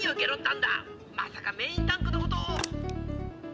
まさかメインタンクのことを。